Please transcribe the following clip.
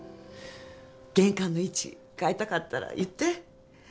玄関の位置変えたかったら言って？